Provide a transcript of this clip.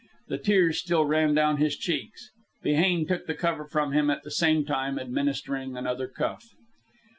The tears still ran down his cheeks. Behane took the cover from him, at the same time administering another cuff.